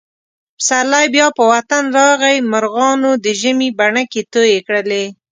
پسرلی بیا په وطن راغی. مرغانو د ژمي بڼکې تویې کړلې.